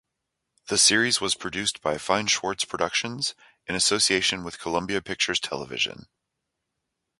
The series was produced by Fein-Schwartz Productions, in association with Columbia Pictures Television.